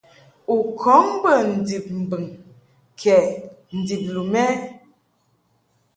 U kɔŋ bə ndib mbɨŋ kɛ ndib lum ɛ?